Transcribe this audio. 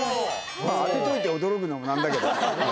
当てといて驚くのも何だけど。